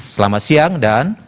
selamat siang dan